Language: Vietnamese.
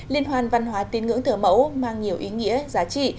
liên hoàn văn hóa tín ngưỡng thờ mẫu mang nhiều ý nghĩa giá trị